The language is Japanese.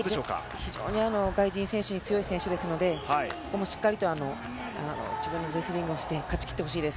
非常に外人選手に強い選手ですのでここもしっかりと自分のレスリングをして勝ち切ってほしいです。